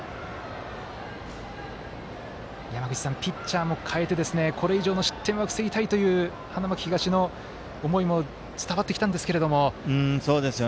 山口さん、ピッチャーも代えてこれ以上の失点は防ぎたいという花巻東の思いも伝わってきたんですけれども。